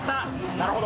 ⁉なるほど。